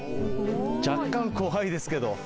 若干怖いですけど。